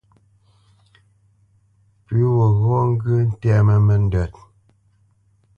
Pʉ̌ gho ghɔ́ ŋgyə̂ ntɛ́mə́ nəndə́t.